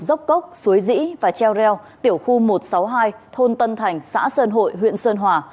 dốc cốc suối dĩ và treo reo tiểu khu một trăm sáu mươi hai thôn tân thành xã sơn hội huyện sơn hòa